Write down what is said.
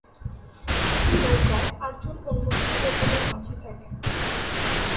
প্রতি নৌকায় আট জন উন্মুক্ত ওজনের মাঝি থাকেন।